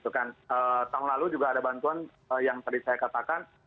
tahun lalu juga ada bantuan yang tadi saya katakan